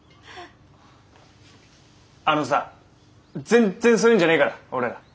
あのさぜんっぜんそういうんじゃねえから俺ら。